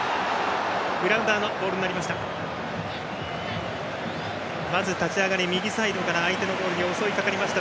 グラウンダーのボールになりました。